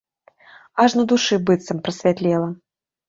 Аж на душы быццам прасвятлела.